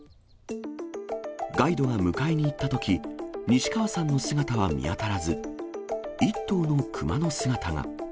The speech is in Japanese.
ガイドが迎えに行ったとき、西川さんの姿は見当たらず、１頭のクマの姿が。